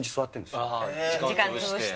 時間潰して。